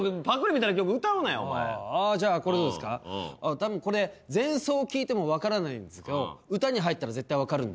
たぶんこれ前奏を聴いても分からないんですけど歌に入ったら絶対分かるんで。